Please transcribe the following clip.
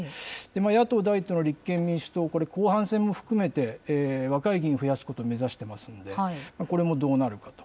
野党第１党の立憲民主党、これ、後半戦も含めて、若い議員、増やすこと目指してますので、これもどうなるかと。